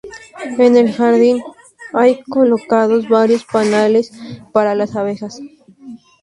En el jardín, hay colocados varios panales para las abejas.